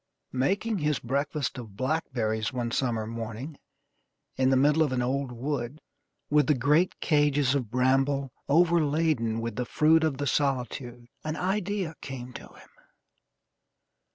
Making his breakfast of blackberries one September morning, in the middle of an old wood, with the great cages of bramble overladen with the fruit of the solitude, an idea came to him.